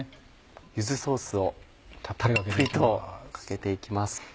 柚子ソースをたっぷりとかけていきます。